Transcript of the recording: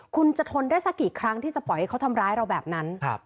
คุณจะทนได้สักกี่ครั้งที่จะปล่อยให้เขาทำร้ายเราแบบนั้น